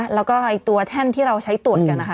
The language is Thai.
แล้วก็ตัวแท่นที่เราใช้ตรวจกันนะคะ